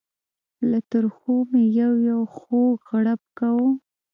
له ترخو مې یو یو خوږ غړپ کاوه.